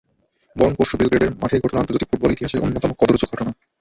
বরং পরশু বেলগ্রেডের মাঠেই ঘটল আন্তর্জাতিক ফুটবল ইতিহাসের অন্যতম কদর্য ঘটনা।